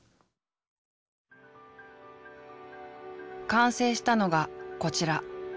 完成したのがこちら。